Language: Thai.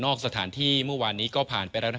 สถานที่เมื่อวานนี้ก็ผ่านไปแล้วนะ